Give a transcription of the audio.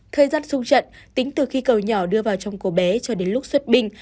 thời gian sung trận tính từ khi cầu nhỏ đưa vào trong cô bé cho đến lúc xuất binh